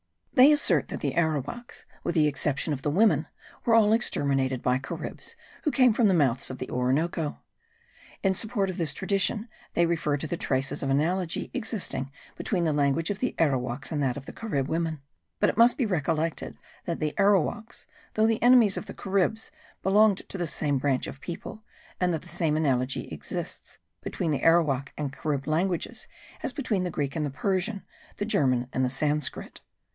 They assert that the Arowaks, with the exception of the women, were all exterminated by Caribs, who came from the mouths of the Orinoco. In support of this tradition they refer to the traces of analogy existing between the language of the Arowaks and that of the Carib women; but it must be recollected that the Arowaks, though the enemies of the Caribs, belonged to the same branch of people; and that the same analogy exists between the Arowak and Carib languages as between the Greek and the Persian, the German and the Sanscrit.